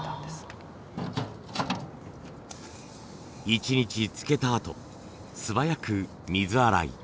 １日つけたあと素早く水洗い。